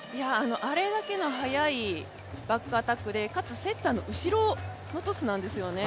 あれだけの速いバックアタックでかつセッターの後ろのトスなんですよね。